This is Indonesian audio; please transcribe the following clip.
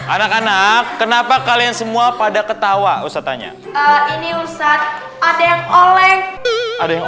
anak anak kenapa kalian semua pada ketawa usah tanya ini ustadz ada yang oleng ada yang